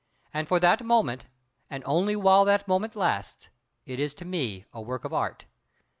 And for that moment, and only while that moment lasts, it is to me a work of Art.